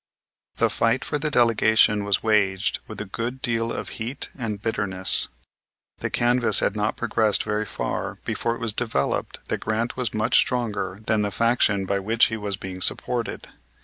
The fight for the delegation was waged with a good deal of heat and bitterness. The canvass had not progressed very far before it was developed that Grant was much stronger than the faction by which he was being supported.